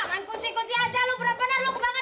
main kunci kunci aja lu bener bener lu kebangetan lu